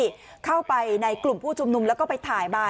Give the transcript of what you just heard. ไปเข้าไปกลุ่มผู้ชุมนุมลับไปถ่ายมา